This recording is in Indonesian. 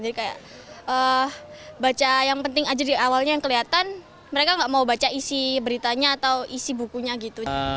jadi kayak baca yang penting aja di awalnya yang kelihatan mereka gak mau baca isi beritanya atau isi bukunya gitu